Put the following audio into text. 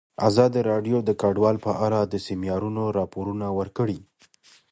ازادي راډیو د کډوال په اړه د سیمینارونو راپورونه ورکړي.